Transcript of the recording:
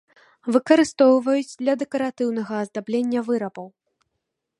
Выкарыстоўваюць для дэкаратыўнага аздаблення вырабаў.